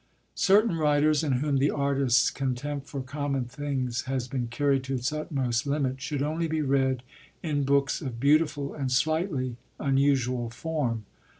Certain writers, in whom the artist's contempt for common things has been carried to its utmost limit, should only be read in books of beautiful and slightly unusual form.